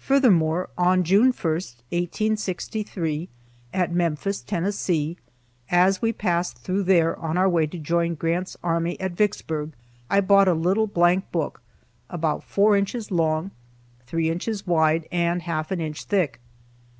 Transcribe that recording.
Furthermore, on June 1, 1863, at Memphis, Tennessee, as we passed through there on our way to join Grant's army at Vicksburg, I bought a little blank book about four inches long, three inches wide, and half an inch thick.